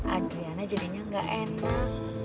adriana jadinya ga enak